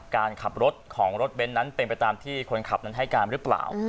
การขับรถของรถเบนท์นั้นเป็นไปตามที่คนขับนั้นให้การหรือเปล่า